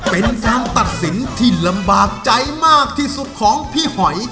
เป็นการตัดสินที่ลำบากใจมากที่สุดของพี่หอย